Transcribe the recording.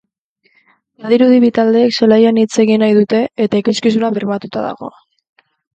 Badirudi bi taldeek zelaian hitz egin nahi dute eta ikuskizuna bermatuta dago.